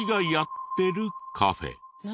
何？